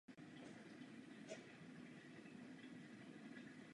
Hudební pavilon byl vybudován jako dvoupatrová stavba.